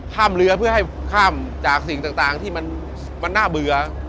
ข้ามเรือเพื่อให้ข้ามจากสิ่งต่างที่มันน่าเบื่อ